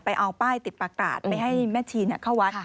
เอาป้ายติดประกาศไปให้แม่ชีเข้าวัด